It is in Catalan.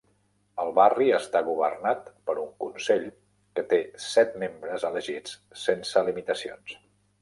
El barri està governat per un consell que té set membres elegits sense limitacions.